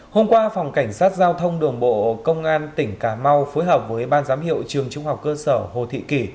hôm qua phòng cảnh sát giao thông đường bộ công an tỉnh cà mau phối hợp với ban giám hiệu trường trung học cơ sở hồ thị kỷ